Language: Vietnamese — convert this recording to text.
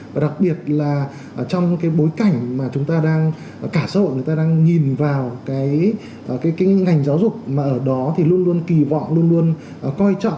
và đặc biệt là ở trong cái bối cảnh mà chúng ta đang cả xã hội người ta đang nhìn vào cái cái cái cái ngành giáo dục mà ở đó có thì luôn luôn kì vọng luôn luôn coi chắc là khó dễ dàng